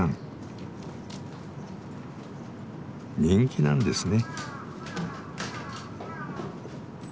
人気なんですね。